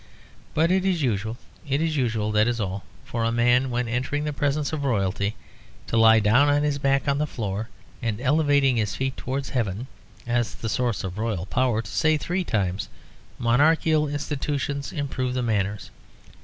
But it is usual it is usual that is all, for a man when entering the presence of Royalty to lie down on his back on the floor and elevating his feet towards heaven (as the source of Royal power) to say three times 'Monarchical institutions improve the manners.'